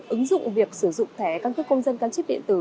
ứng dụng việc sử dụng thẻ căn cước công dân căn cước điện tử